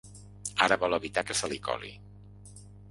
Ara vol evitar que se li coli.